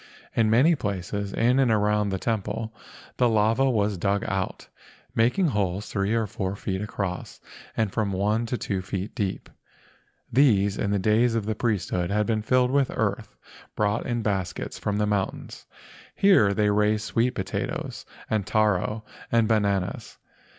In many places in and around the temple the lava was dug out, making holes three or four feet across and from one to two feet deep. These in the days of the priesthood had been filled with earth brought in baskets from the mountains. Here they raised sweet potatoes and taro and bananas.